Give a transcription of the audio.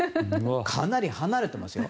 かなり離れていますよ